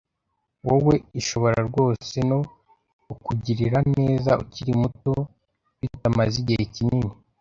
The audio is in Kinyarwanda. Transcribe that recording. wowe ishobora rwose no kukugirira neza ukiri muto bitamaze igihe kinini,